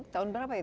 tahun berapa itu